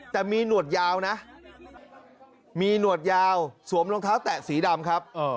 แต่มีหนวดยาวนะมีหนวดยาวสวมรองเท้าแตะสีดำครับ